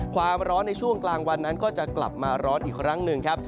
ความร้อนในช่วงกลางวันนั้นก็จะกลับมาร้อนอีกครั้งหนึ่งครับ